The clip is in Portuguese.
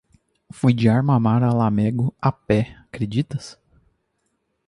Fui de Armamar a Lamego a pé! Acreditas?